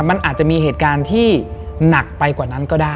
มันอาจจะมีเหตุการณ์ที่หนักไปกว่านั้นก็ได้